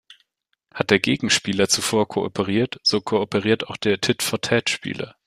Hat der Gegenspieler zuvor kooperiert, so kooperiert auch der "Tit-for-Tat"-Spieler.